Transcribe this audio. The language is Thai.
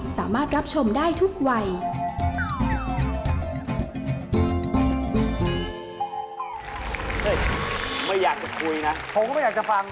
สามารถรับชมได้ทุกวัย